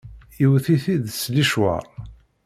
Iwwet-it-id s licwaṛ.